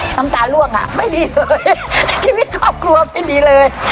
น้ำตาล่วงอ่ะไม่ดีเลยชีวิตครอบครัวไม่ดีเลย